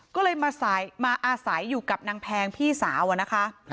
ก็เลยมาอาศัยอยู่กับนางแพงพี่สาวอะนะคะ